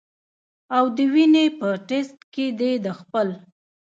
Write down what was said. او د وینې پۀ ټېسټ کښې دې د خپل